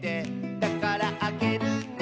「だからあげるね」